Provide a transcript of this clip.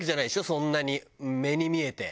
そんなに目に見えて。